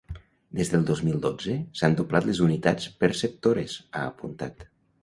Des del dos mil dotze, s’han doblat les unitats perceptores, ha apuntat.